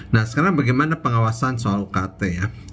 nah sekarang bagaimana pengawasan soal ukt ya